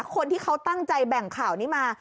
คนที่เขาตั้งใจแบ่งข่าวนี้มา